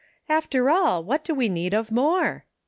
" After all what do we need of more